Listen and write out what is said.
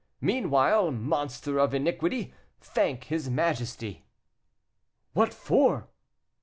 Meanwhile, monster of iniquity, thank his majesty." "What for?"